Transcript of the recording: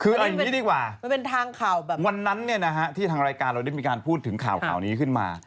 คืออย่างนี้ดีกว่าวันนั้นเนี่ยนะฮะที่ทางรายการเราได้มีการพูดถึงข่าวนี้ขึ้นมา